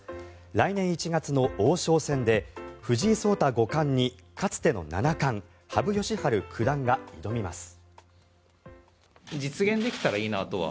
来年１月の王将戦で藤井聡太五冠にかつての七冠羽生善治九段が挑みます。